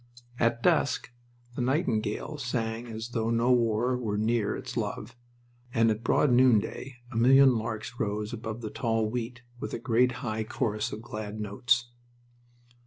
At dusk the nightingale sang as though no war were near its love, and at broad noonday a million larks rose above the tall wheat with a great high chorus of glad notes.